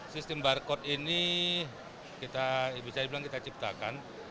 sistem barcode ini kita bisa dibilang kita ciptakan